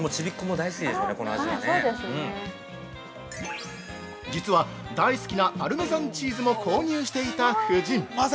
◆実は、大好きなパルメザンチーズも購入していた夫人！